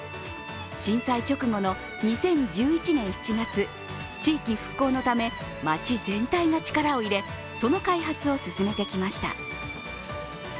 震災直後の２０１１年７月、地域復興のため町全体が力を入れその開発を進めてきました。